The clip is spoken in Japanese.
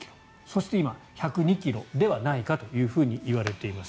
そして今、１０２ｋｇではないかといわれています。